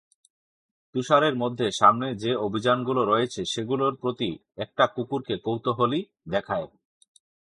তুষারের মধ্যে সামনে যে-অভিযানগুলো রয়েছে, সেগুলোর প্রতি একটা কুকুরকে কৌতূহলী দেখায়।